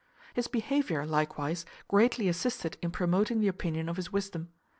His behaviour, likewise, greatly assisted in promoting the opinion of his wisdom.